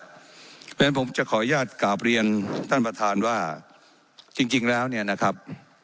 เพราะฉะนั้นผมจะขออนุญาตกราบเรียนท่านประธานว่าจริงแล้วเนี่ยนะครับ